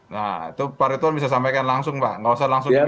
nah itu pak rituan bisa sampaikan langsung pak nggak usah langsung dibuka